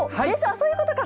そういうことか。